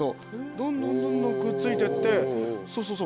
どんどんどんどんくっついてってそうそうそう。